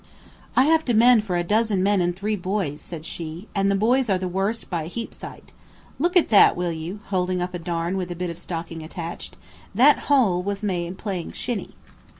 "I have to mend for a dozen men and three boys," said she, "and the boys are the worst by a heap sight. Look at that, will you," holding up a darn with a bit of stocking attached. "That hole was made playing shinny."